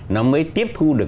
nó mới tiếp thu được